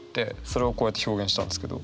それをこうやって表現したんですけど。